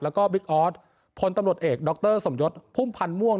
แล้วก็บิ๊กออสพลตำรวจเอกดรสมยศพุ่มพันธ์ม่วง